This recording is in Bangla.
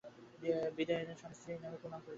বিদায়ের সময় স্বামীস্ত্রী জোড়ে প্রণাম করতে এল।